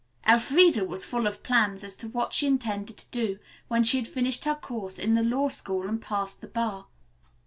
Elfreda was full of plans as to what she intended to do when she had finished her course in the law school and passed the bar.